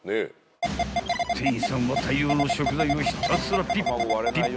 ［店員さんは大量の食材をひたすらピッピッピッと］